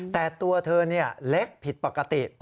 แต่ตัวเธอเล็กผิดปกติ